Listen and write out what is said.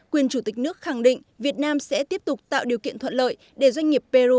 quyền chủ tịch nước khẳng định việt nam sẽ tiếp tục tạo điều kiện thuận lợi để doanh nghiệp peru